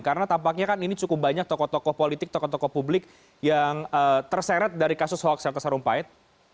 karena tampaknya kan ini cukup banyak tokoh tokoh politik tokoh tokoh publik yang terseret dari kasus hoaxel tesarumpahet